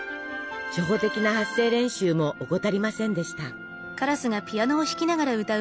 初歩的な発声練習も怠りませんでした。